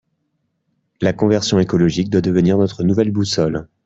La conversion écologique doit devenir notre nouvelle boussole.